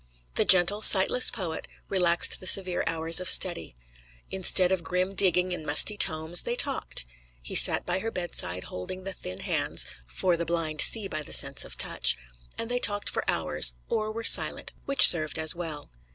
The gentle, sightless poet relaxed the severe hours of study. Instead of grim digging in musty tomes they talked: he sat by her bedside holding the thin hands (for the blind see by the sense of touch), and they talked for hours or were silent, which served as well.